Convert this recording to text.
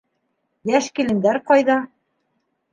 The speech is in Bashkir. Йәш килендәр ҡайҙа?